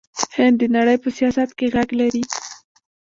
هند د نړۍ په سیاست کې غږ لري.